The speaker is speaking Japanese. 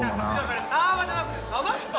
それサーバーじゃなくて鯖っすよ！